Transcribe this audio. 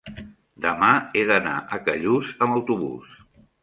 demà he d'anar a Callús amb autobús.